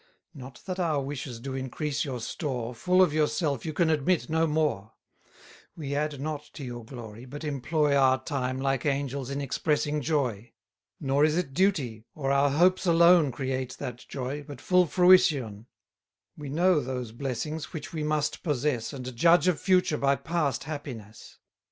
Not that our wishes do increase your store, Full of yourself, you can admit no more: We add not to your glory, but employ Our time, like angels, in expressing joy. Nor is it duty, or our hopes alone, Create that joy, but full fruition: 70 We know those blessings, which we must possess, And judge of future by past happiness.